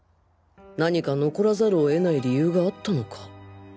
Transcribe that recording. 何か残らざるをえない理由があったのか。